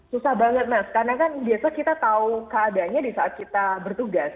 susah banget mas karena kan biasa kita tahu keadaannya di saat kita bertugas